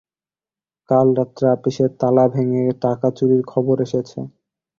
কাল রাত্রে আপিসের তালা ভেঙে টাকা-চুরির খবর এসেছে।